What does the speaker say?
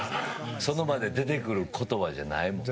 その場で出てくる言葉じゃない。